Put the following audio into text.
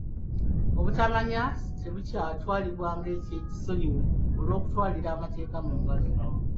Obutamanya tebukyatwalibwa ng'ekisonyiwo olw'okutwalira amateeka mu ngalo.